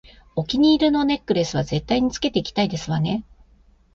お気に入りのネックレスは絶対につけていきたいですわね